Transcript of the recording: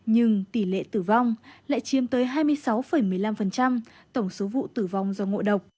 nhưng tỷ lệ tử vong lại chiếm tới hai mươi sáu một mươi năm tổng số vụ tử vong do ngộ độc